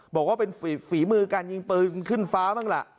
บอกว่าเป็นฝีมือการยิงปืนขึ้นฟ้าบ้างล่ะ